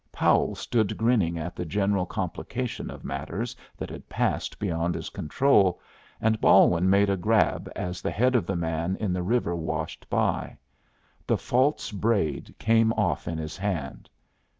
Powell stood grinning at the general complication of matters that had passed beyond his control, and Balwin made a grab as the head of the man in the river washed by. The false braid came off in his hand!